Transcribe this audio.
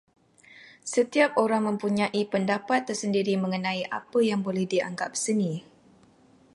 Setiap orang mempunyai pendapat tersendiri mengenai apa yang boleh dianggap seni.